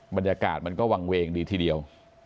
บรรยากาศมันก็วางเวงดีทีเดียว